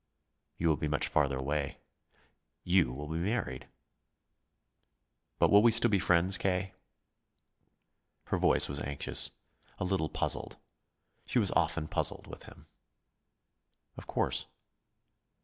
"You will be much farther away. You will be married." "But we will still be friends, K.?" Her voice was anxious, a little puzzled. She was often puzzled with him. "Of course."